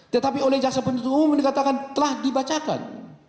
tetapi oleh jaksa penuntut umum dikatakan telah dibacakan